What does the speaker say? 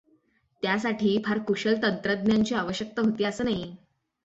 त्यासाठी फार कुशल तंत्रज्ञांची आवश्यकता होती असंं नाही.